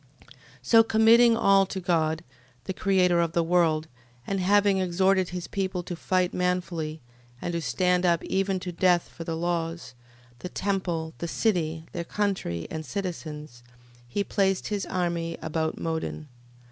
13:14. So committing all to God, the Creator of the world, and having exhorted his people to fight manfully, and to stand up even to death for the laws, the temple, the city, their country, and citizens: he placed his army about Modin.